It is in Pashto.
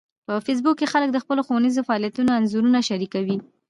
په فېسبوک کې خلک د خپلو ښوونیزو فعالیتونو انځورونه شریکوي